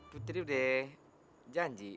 putri udah janji